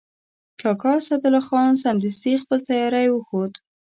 کاکا اسدالله خان سمدستي خپل تیاری وښود.